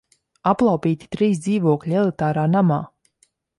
Aplaupīti trīs dzīvokļi elitārā namā!